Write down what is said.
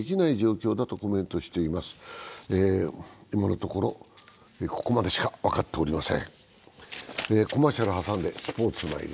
今のところここまでしか分かっておりません。